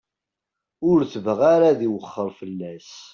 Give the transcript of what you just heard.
Ur tebɣi ara ad iwexxer fell-as.